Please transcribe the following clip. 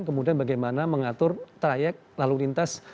kemudian bagaimana mengatur trayek lalu lintas